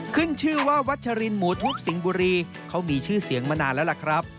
ขึ้นชื่อว่าวัชรินหมูทุบสิงห์บุรีเขามีชื่อเสียงมานานแล้วล่ะครับ